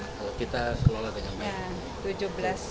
kalau kita kelola dengan baik